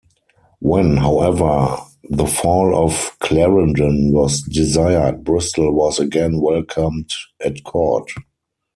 When, however, the fall of Clarendon was desired, Bristol was again welcomed at court.